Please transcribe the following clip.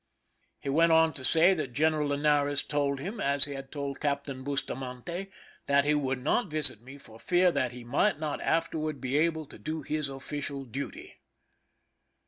He went on to say that Qeneral Linares told him, as he had told Captain Bustamante, that he would not visit me for fear that he might not afterward be able to do his official duty.